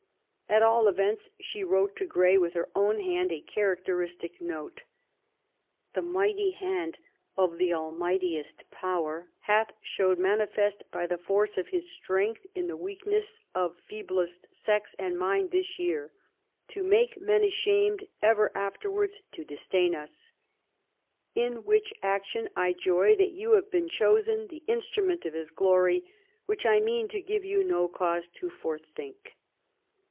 At all events she wrote to Grey, with her own hand,* a characteristic note :The mighty hand of the Al mightiest power hath showed manifest by the force of His strength in the weakness of feeblest sex and mind this year, to make men ashamed ever after wards to disdain us. In which action I joy that you have been chosen the instrument of His glory, which I mean to give you no cause to forethink."